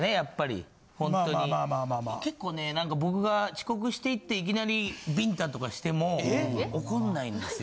結構ね僕が遅刻していっていきなりビンタとかしても怒んないんですよ。